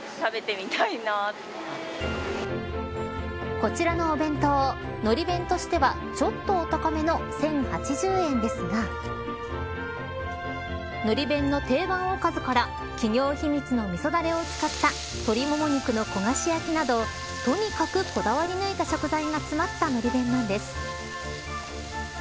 こちらのお弁当海苔弁としてはちょっとお高めの１０８０円ですが海苔弁の定番おかずから企業秘密のみそだれを使ったとりもも肉の焦がし焼きなどとにかく、こだわり抜いた食材が詰まった海苔弁なんです。